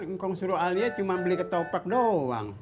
kan kong suruh alia cuma beli ketopak doang